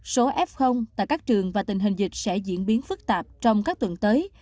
số f tại các trường và tình hình dịch sẽ diễn biến phức tạp trong các tuần tới